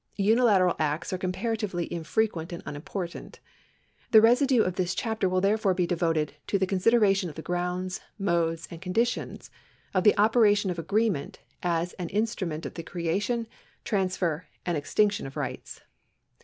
Unilateral acts are comparatively infrequent and unimportant. The residue of this chapter will therefore be devoted to the consideration of the grounds, modes, and conditions of the operation of agreement as an instrument of the creation, transfer, and extinction of rights.